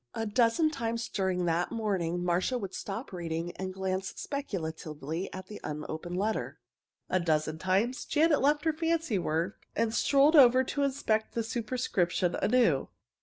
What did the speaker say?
A dozen times during the morning Marcia would stop reading and glance speculatively at the unopened letter. A dozen times Janet left her fancy work and strolled over to inspect the superscription anew.